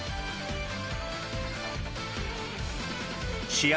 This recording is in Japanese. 試合